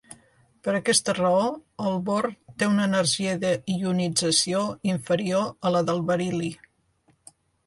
Per aquesta raó, el bor té una energia de ionització inferior a la del beril·li.